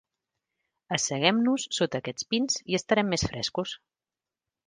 Asseguem-nos sota aquests pins i estarem més frescos.